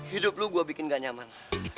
hidup lo gue bikin gak nyaman